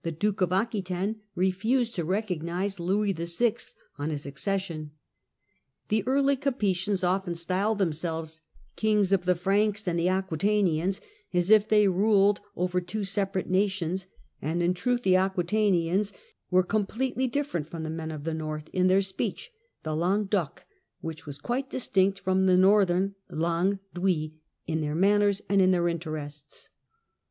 The Duke of Aquitaine refused to recognize Louis VI. on his acces sion. The early Capetians often styled themselves kings of " the Franks and the Aquitanians," as if they ruled over two separate nations, and in truth the Aquitanians were completely different from the men of the North in their speech, the " langue d'oc," which was quite distinct from the northern " langue d'oil," in their manners, and in their interests.